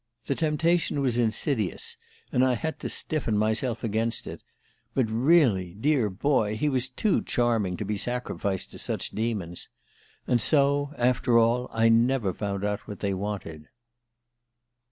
The temptation was insidious, and I had to stiffen myself against it; but really, dear boy! he was too charming to be sacrificed to such demons. And so, after all, I never found out what they wanted